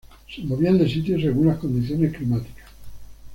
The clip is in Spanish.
Se movían de sitio según las condiciones climáticas.